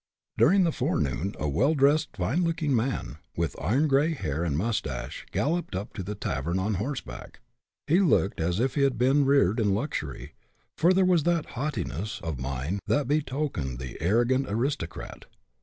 During the forenoon a well dressed, fine looking man, with iron gray hair and mustache, galloped up to the tavern on horseback. He looked as if he had been reared in luxury, for there was that haughtiness of mien that betokened the arrogant aristocrat.